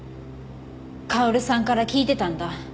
薫さんから聞いてたんだ。